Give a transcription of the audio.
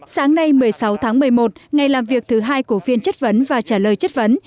sáng nay một mươi sáu tháng một mươi một ngày làm việc thứ hai của phiên chất vấn và trả lời chất vấn